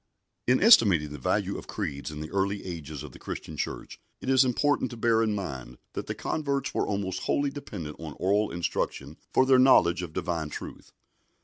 In estimating the value of creeds in the early ages of the Christian Church, it is important to bear in mind that the converts were almost wholly dependent on oral instruction for their knowledge of Divine truth.